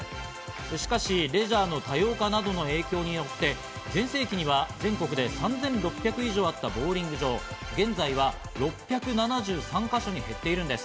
しかしレジャーの多様化などの影響によって、全盛期には全国で３６００以上あったボウリング場、現在は６７３か所に減っているんです。